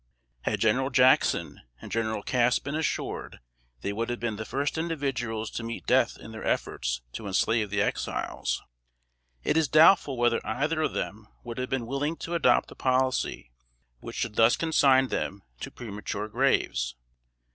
Had General Jackson and General Cass been assured they would have been the first individuals to meet death in their efforts to enslave the Exiles, it is doubtful whether either of them would have been willing to adopt a policy which should thus consign them to premature graves.